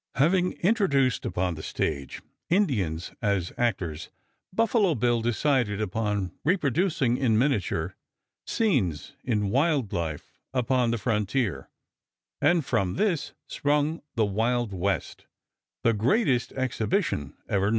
Having introduced upon the stage Indians as actors, Buffalo Bill decided upon reproducing in miniature scenes in wild life upon the frontier, and from this sprung the Wild West, the greatest exhibition ever known.